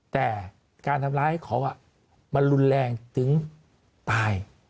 แต่การทำร้ายให้เค้ามารุนแรงถึงตาย